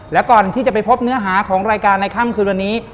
และก่อนที่จะไปพบเนื้อหาของรายการในค่ำคืนวันนี้